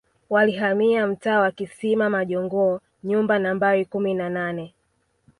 Walihamia mtaa wa Kisima majongoo nyumba Nambari kumi na nane